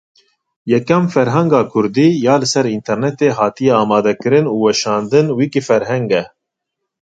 Yekem ferhenga kurdî ya li ser înternetê hatiye amadekirin û weşandin Wîkîferheng e.